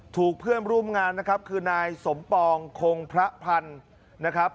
ถูกเพื่อนร่วมงานนะครับคือนายสมปองคงพระพันธ์นะครับ